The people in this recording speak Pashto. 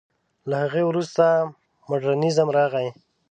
له هغې وروسته مډرنېزم راغی.